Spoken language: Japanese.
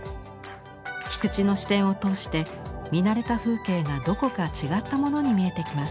菊地の視点を通して見慣れた風景がどこか違ったものに見えてきます。